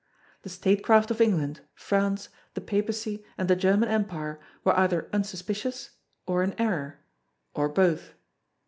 The statecraft of England, France, the Papacy, and the German Empire were either unsuspicious or in error or both.